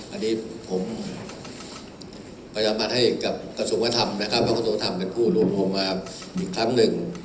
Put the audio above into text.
อันนี้ผมพยายามมาให้กับกระทรุงธรรมนะครับเพราะกระทรุงธรรมเป็นผู้รวมงงมาอีกครั้งหนึ่ง